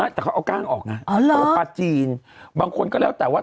แต่เขาเอากล้างออกไงตัวปลาจีนบางคนก็แล้วแต่ว่า